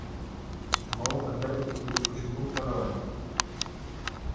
مئُونٚ ادرڪيٚ ڪيٚ کشبُو ڪونآ وڻي۔